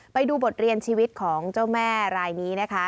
ไปดูบทเรียนชีวิตของเจ้าแม่รายนี้นะคะ